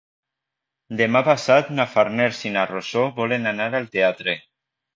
Demà passat na Farners i na Rosó volen anar al teatre.